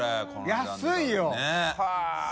安いよ！